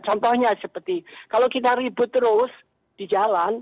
contohnya seperti kalau kita ribut terus di jalan